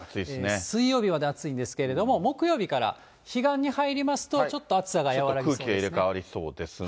水曜日まで暑いんですけれども、木曜日から、彼岸に入りますと、ちょっと暑さが和らぎそうですね。